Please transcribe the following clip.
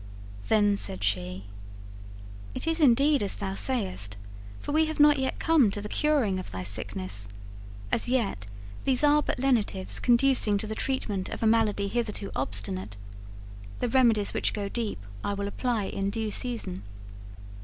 Then said she: 'It is indeed as thou sayest, for we have not yet come to the curing of thy sickness; as yet these are but lenitives conducing to the treatment of a malady hitherto obstinate. The remedies which go deep I will apply in due season.